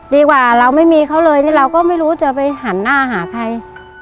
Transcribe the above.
ดีกว่าเราไม่มีเขาเลยนี่เราก็ไม่รู้จะไปหันหน้าหาใคร